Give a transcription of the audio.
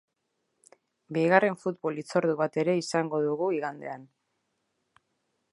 Bigarren futbol hitzordu bat ere izango dugu igandean.